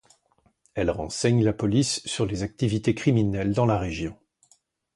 Elle renseigne la police sur les activités criminelles dans la région.